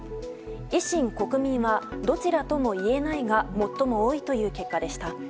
維新、国民はどちらとも言えないが最も多いという結果でした。